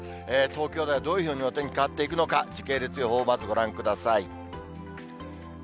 東京ではどういうふうにお天気変わっていくのか、時系列で予報、まずご覧ください。